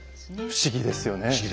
不思議ですねえ。